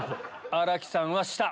新木さんは下！